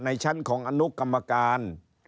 ชั้นของอนุกรรมการ